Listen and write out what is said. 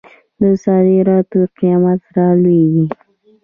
د صادراتو قیمت رالویږي.